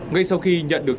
ngay sau khi nhận được